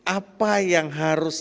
apa yang harus